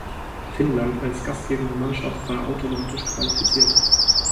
Finnland als gastgebende Mannschaft war automatisch qualifiziert.